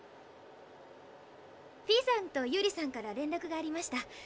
フィーさんとユーリさんから連絡がありました。